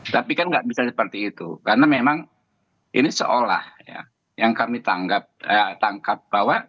tapi kan tidak bisa seperti itu karena memang ini seolah yang kami tangkap bahwa ada kegalauan dari pihak pihak tertentu